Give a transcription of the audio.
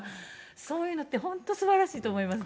そういうのって本当すばらしいと思いますね。